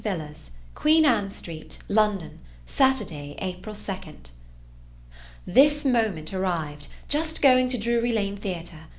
VILLARS Queen Ann Street, London, Saturday, April 2. THIS moment arrived. Just going to Drury Lane Theatre.